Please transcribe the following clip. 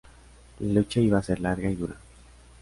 La lucha iba a ser larga y dura.